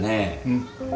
うん。